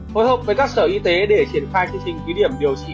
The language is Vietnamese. hồi hộp với các sở y tế để triển khai chương trình ký điểm điều trị